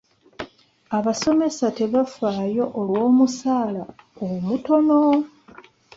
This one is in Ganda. Abasomesa tebafaayo olw'omusala omutono.